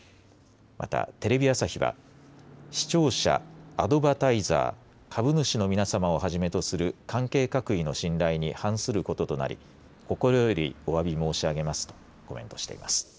また、テレビ朝日は視聴者、アドバタイザー株主の皆様をはじめとする関係各位の信頼に反することとなり心よりおわび申し上げますとコメントしています。